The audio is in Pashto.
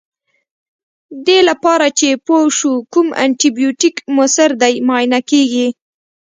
دې لپاره چې پوه شو کوم انټي بیوټیک موثر دی معاینه کیږي.